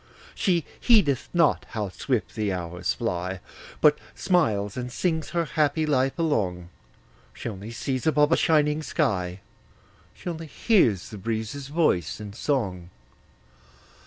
She heedeth not how swift the hours fly, But smiles and sings her happy life along; She only sees above a shining sky; She only hears the breezes' voice in song.